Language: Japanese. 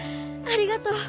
ありがとう。